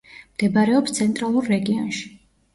მდებარეობს ცენტრალურ რეგიონში.